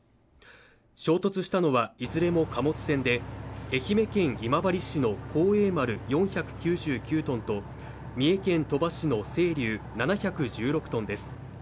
衝突したのはいずれも貨物船で愛媛県今治市の「幸栄丸」４９９トンと三重県鳥羽市の「せいりゅう」７１６トンです